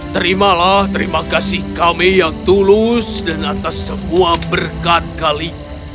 terimalah terima kasih kami yang tulus dan atas semua berkat kali